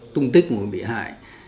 tung tích người bị hại